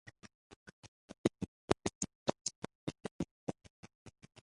Li interesiĝas pri krimo.